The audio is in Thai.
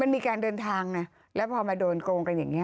มันมีการเดินทางนะแล้วเรามันมาโดนโกงอย่างเนี้ย